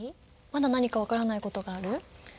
まだ何か分からないことがある？